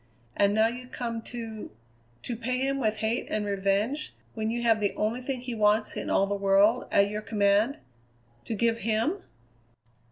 And now you come to to pay him with hate and revenge when you have the only thing he wants in all the world at your command to give him!"